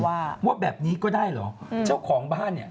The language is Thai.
ว่าว่าแบบนี้ก็ได้เหรออืมเจ้าของบ้านเนี่ย